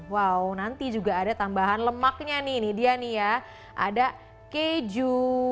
wow nanti juga ada tambahan lemaknya nih ini dia nih ya ada keju